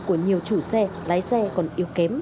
của nhiều chủ xe lái xe còn yếu kém